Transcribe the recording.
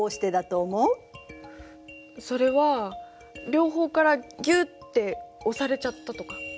それは両方からぎゅって押されちゃったとか。